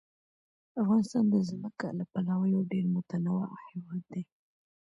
افغانستان د ځمکه له پلوه یو ډېر متنوع هېواد دی.